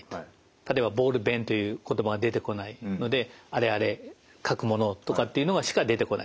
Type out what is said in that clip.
例えば「ボールペン」という言葉が出てこないので「あれあれ書くものを」とかっていうのがしか出てこない。